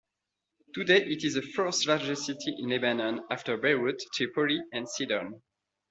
Today it is the fourth largest city in Lebanon after Beirut, Tripoli and Sidon.